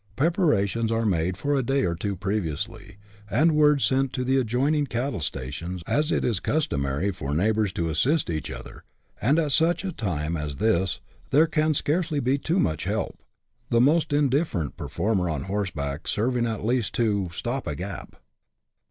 Preparations are made for a day or two previously, and word sent to the adjoining cattle stations, as it is customary for neighbours to assist each other ; and at such a time as this there can scarcely be too much help, the most indifferent per former on horseback serving at least to " stop a gap."